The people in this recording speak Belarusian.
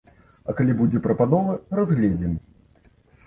А калі будзе прапанова, разгледзім.